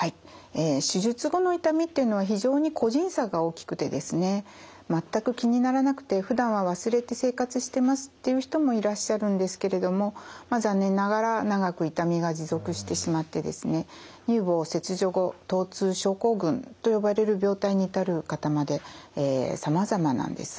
手術後の痛みっていうのは非常に個人差が大きくてですね全く気にならなくてふだんは忘れて生活してますっていう人もいらっしゃるんですけれどもまあ残念ながら長く痛みが持続してしまってですねと呼ばれる病態に至る方までさまざまなんです。